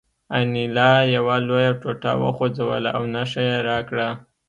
انیلا یوه لویه ټوټه وخوځوله او نښه یې راکړه